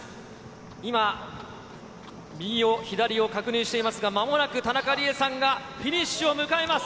今、右を左を確認していますが、まもなく田中理恵さんがフィニッシュを迎えます。